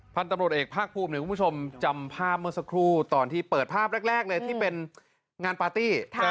พันธุ์ตำรวจเอกภาคภูมิคุณผู้ชมจำภาพเมื่อสักครู่ตอนที่เปิดภาพแรกเลยที่เป็นงานปาร์ตี้